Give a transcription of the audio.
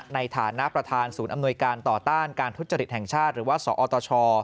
ในฐานะประธานศูนย์อำนวยการต่อต้านการทุจริตแห่งชาติหรือว่าสอตช